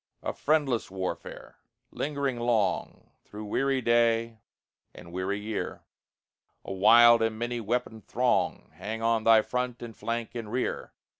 A friendless warfare! lingering long Through weary day and weary year; A wild and many weaponed throng Hang on thy front, and flank, and rear.